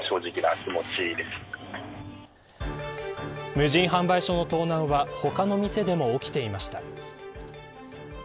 無人販売所の盗難は他の店でも起きていました。